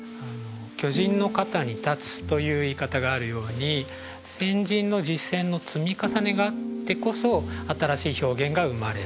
「巨人の肩に立つ」という言い方があるように先人の実践の積み重ねがあってこそ新しい表現が生まれる。